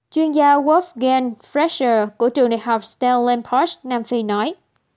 chuyên gia wolfgang freischer của trường đại học stellenbosch nam phi nói